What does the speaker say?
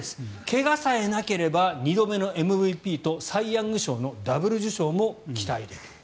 怪我さえなければ２度目のＭＶＰとサイ・ヤング賞のダブル受賞も期待できる。